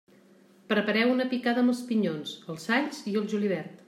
Prepareu una picada amb els pinyons, els alls i el julivert.